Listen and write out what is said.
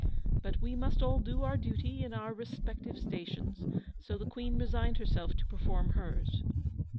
But we must all do our duty in our respective stations, so the Queen resigned herself to perform hers.